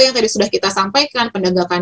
yang tadi sudah kita sampaikan pendegakan